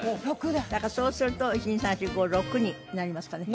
だからそうすると１２３４５６になりますかね